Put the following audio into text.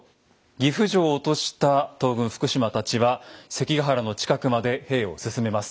岐阜城を落とした東軍福島たちは関ヶ原の近くまで兵を進めます。